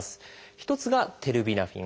一つがテルビナフィン。